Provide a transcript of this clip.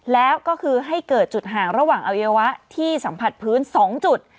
แล้วก็คือให้เกิดจุดห่างระหว่างอวัยวะที่สัมผัสพื้น๒จุด